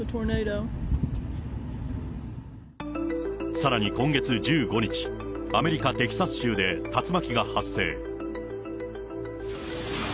さらに今月１５日、アメリカ・テキサス州で竜巻が発生。